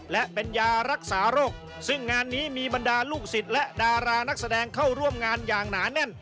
และเป็นยารักษาโรคซึ่งงานนี้มีบรรดาลูกศิษย์และดารานักแสดงเข้าร่วมงานอย่างหนาแน่น